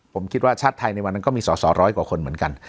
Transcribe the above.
ผมคิดว่าชาติไทยในวันนั้นก็มีสอสอร้อยกว่าคนเหมือนกัน